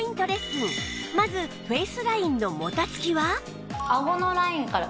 まずフェイスラインのもたつきは